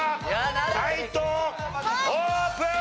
解答オープン！